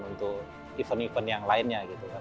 untuk event event yang lainnya gitu kan